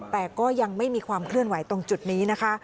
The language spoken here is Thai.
แต่ก็ยังไม่มีความเคลื่อนไหวตรงจุดนี้นะคะ